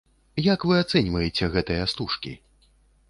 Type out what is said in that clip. Як вы ацэньваеце гэтыя стужкі?